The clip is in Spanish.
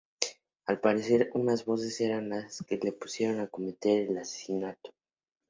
Al parecer, unas voces eran las que le impulsaron a cometer el asesinato.